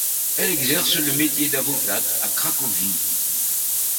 Elle exerce le métier d'avocate à Cracovie.